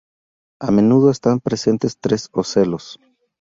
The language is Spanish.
A menudo están presentes tres ocelos.